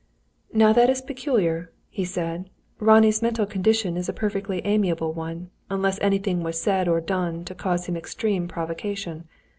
"Now that is peculiar," he said. "Ronnie's mental condition is a perfectly amiable one, unless anything was said or done to cause him extreme provocation.